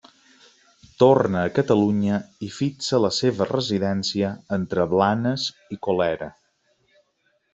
Torna a Catalunya i fixa la seva residència entre Blanes i Colera.